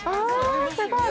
◆すごい。